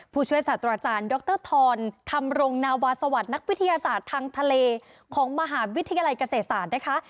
ผู้ช่วยศาสตราจารย์ดรธรธรรมรงนาวาสวัสดิ์นักวิทยาศาสตร์ทางทะเลของมหาวิทยาลัยเกษตรศาสตร์นะคะ